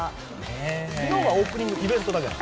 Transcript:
昨日はオープニングイベントだけなの？